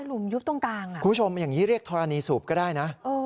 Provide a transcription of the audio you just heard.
หุมยุบตรงกลางอ่ะคุณผู้ชมอย่างนี้เรียกธรณีสูบก็ได้นะ